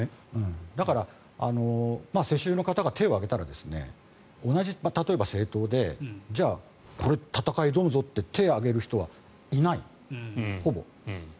だから、世襲の方が手を挙げたら同じ例えば政党で戦い、どうぞって手を挙げる人はいない、ほぼ。